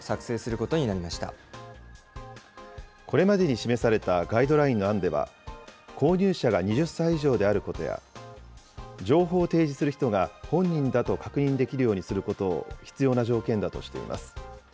これまでに示されたガイドラインの案では、購入者が２０歳以上であることや、情報を提示する人が本人だと確認できるようにすることを必要な条件だとしています。